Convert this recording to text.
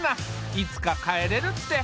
いつか帰れるって。